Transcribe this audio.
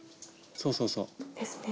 そうそうそう。ですね。